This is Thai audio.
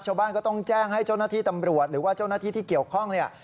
ชาวบ้านก็ต้องแจ้งให้เจ้าหน้าที่ตำรวจหรือว่าเจ้าหน้าที่ที่เกี่ยวข้องเนี่ย